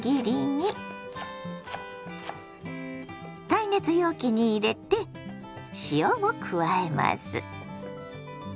耐熱容器に入れて塩を加えます。